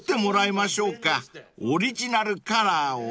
［オリジナルカラーを］